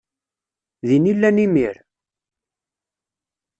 Din i llan imir?